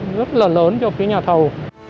rất là lớn cho phía nhà thầu